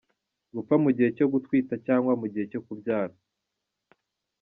Gupfa mu gihe cyo gutwita cyangwa mu gihe cyo kubyara.